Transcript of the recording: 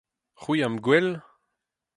C'hwi am gwel.